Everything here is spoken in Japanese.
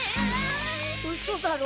うそだろ。